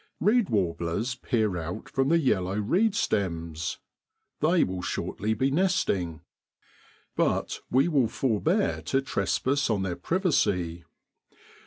Keed warblers peer out from the yellow reedstems. They will shortly be nesting. But we will forbear to trespass on their privacy.